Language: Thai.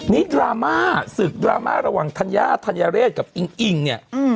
นี่ดราม่าสิทธิ์ระหว่างธัญญาธัญญาเรชกับอิงอิงเนี่ย